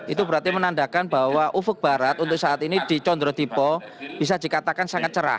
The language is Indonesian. itu berarti menandakan bahwa ufuk barat untuk saat ini di condro tipo bisa dikatakan sangat cerah